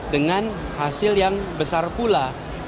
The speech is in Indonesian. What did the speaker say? dengan hasil yang besar pula